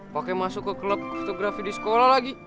pakai masuk ke klub fotografi di sekolah lagi